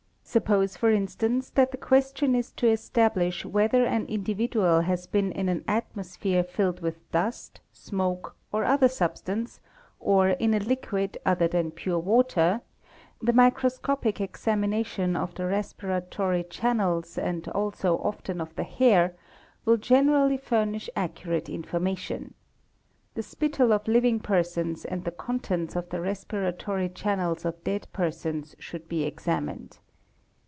Suppose for instance that the question is to establish whether an individual has been in an 'atmosphere filled with dust, smoke, or other substance, or in a liquid other than pure water, the microscopic examination of the respira tory channels and also often of the hair will generally furnish accurate 'information; the spittle of living persons and the contents of the "respiratory channels of dead persons should be examined.